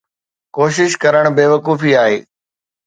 ڪوشش ڪرڻ بيوقوفي آهي.